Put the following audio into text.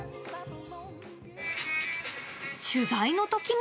取材のときも。